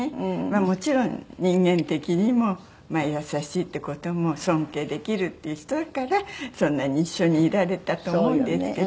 もちろん人間的にも優しいって事も尊敬できるっていう人だからそんなに一緒にいられたと思うんですけど。